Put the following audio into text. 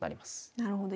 なるほど。